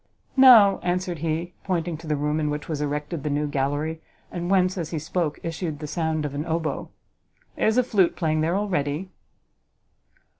"No," answered he, pointing to the room in which was erected the new gallery, and whence, as he spoke, issued the sound of a hautboy, "there is a flute playing there already."